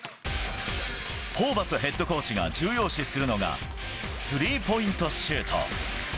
ホーバスヘッドコーチが重要視するのが、スリーポイントシュート。